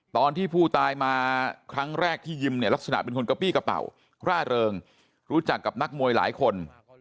ตอนที่ผู้ตายมาครั้งแรกที่ยิมเนี่ยลักษณะเป็นคนกระปี้กระเป๋าร่าเริงรู้จักกับนักมวยหลายคน